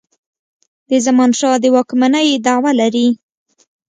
د زمانشاه د واکمنی دعوه لري.